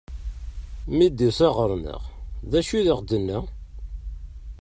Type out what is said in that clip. Mi d-tusa ɣur-neɣ, d acu i aɣ-tenna?